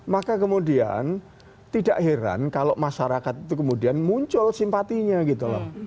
maka kemudian tidak heran kalau masyarakat itu kemudian muncul simpatinya gitu loh